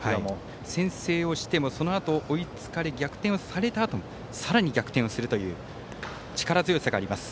先制をしてもそのあと追いつかれ逆転されてもさらに逆転をするという力強さがあります。